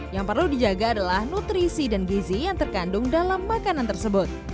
yang perlu dijaga adalah nutrisi dan gizi yang terkandung dalam makanan tersebut